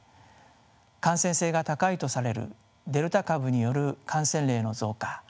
感染性が高いとされるデルタ株による感染例の増加